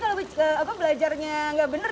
kalau belajarnya nggak benar